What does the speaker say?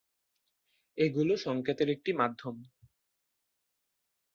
এগুলো সংকেতের একটি মাধ্যম।